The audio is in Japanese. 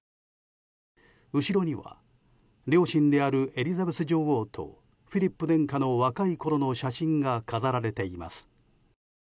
後ろには両親であるエリザベス女王とフィリップ殿下の若いころの写真が飾られています。